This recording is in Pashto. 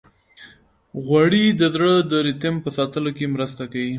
غوړې د زړه د ریتم په ساتلو کې مرسته کوي.